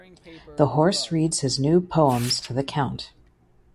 The horse reads his new poems to the Count.